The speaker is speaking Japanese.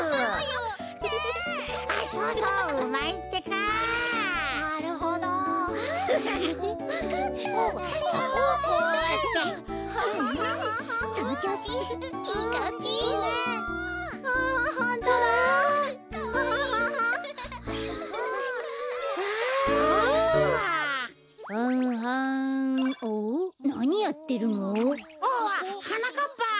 おおっはなかっぱ。